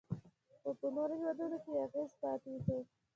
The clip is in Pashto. خو په نورو هیوادونو کې یې اغیز پاتې شو